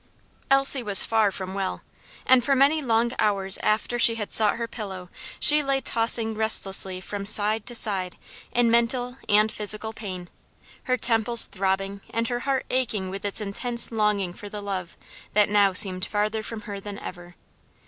Elsie was far from well, and for many long hours after she had sought her pillow she lay tossing restlessly from side to side in mental and physical pain, her temples throbbing, and her heart aching with its intense longing for the love that now seemed farther from her than ever.